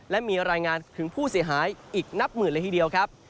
และมีรายงานถึงผู้เสียหายอีกนับหมื่นเลยทีเดียวครับ